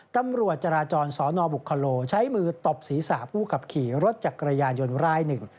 ตำรวจจราจรสนบุคโลใช้มือตบศีรษะผู้ขับขี่รถจักรยานยนต์รายหนึ่ง